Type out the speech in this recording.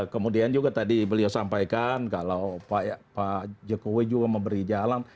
kemudian juga tadi beliau sampaikan kalau pak jokowi juga memberi jalan